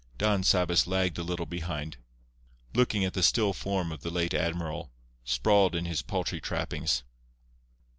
Don Sabas lagged a little behind, looking at the still form of the late admiral, sprawled in his paltry trappings.